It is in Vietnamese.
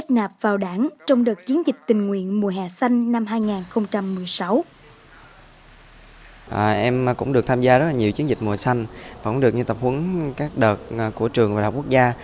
chúng em cũng được tham gia rất nhiều chiến dịch mùa xanh cũng được tập huấn các đợt của trường và đại học quốc gia